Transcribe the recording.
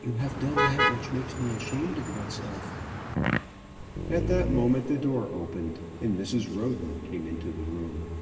You have done that which makes me ashamed of myself." At that moment the door was opened, and Mrs. Roden came into the room.